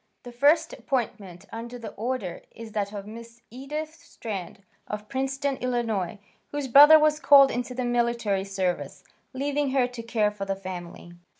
The first appointment under the order is that of Miss Edith Strand, of Princeton, Ill., whose brother was called into the military service, leaving her to care for the family.